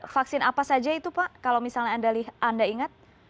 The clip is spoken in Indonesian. vaksin apa saja itu pak kalau misalnya anda ingat